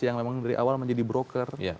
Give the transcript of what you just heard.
yang memang dari awal menjadi broker